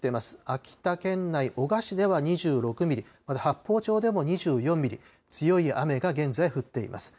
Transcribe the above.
秋田県内、男鹿市では２６ミリ、八峰町でも２６ミリ、強い雨が現在降っています。